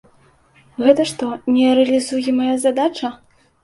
Гэта што, нерэалізуемая задача?